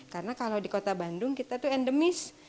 karena kalau di kota bandung kita tuh endemis